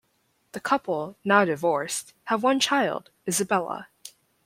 The couple, now divorced, have one child, Isabella.